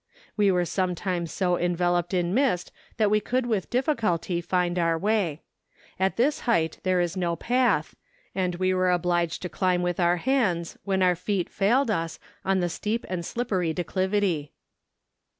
... We were sometimes so enveloped in mist that we could with difficulty find our way. At this height there is no path, and we were obliged to climb with our hands when our feet failed us, on the steep and slippery declivity.